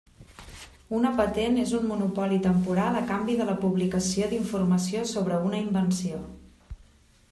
Una patent és un monopoli temporal a canvi de la publicació d'informació sobre una invenció.